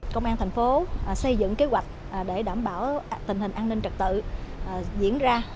công an thành phố xây dựng kế hoạch để đảm bảo tình hình an ninh trật tự diễn ra